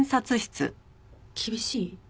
厳しい？